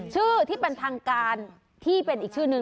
ชื่อที่เป็นทางการที่เป็นอีกชื่อนึง